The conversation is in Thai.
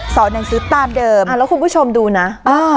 หนังสือตามเดิมอ่าแล้วคุณผู้ชมดูนะ